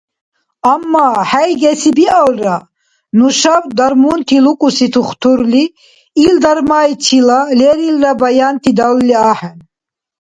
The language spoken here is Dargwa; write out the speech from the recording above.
Амма, хӀейгеси биалра, нушаб дармунти лукӀуси тухтурли ил дармайчила лерилра баянти далули ахӀен.